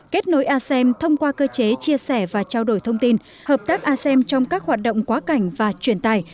kết nối asem thông qua cơ chế chia sẻ và trao đổi thông tin hợp tác asem trong các hoạt động quá cảnh và truyền tài